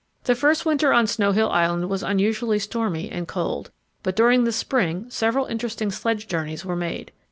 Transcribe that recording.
The first winter on Snow Hill Island was unusually stormy and cold, but during the spring several interesting sledge journeys were made.